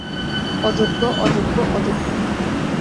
অযোগ্য, অযোগ্য, অযোগ্য!